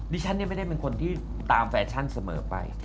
ดิฉันไม่ได้เป็นคนที่ตามแฟชั่นเสมอไป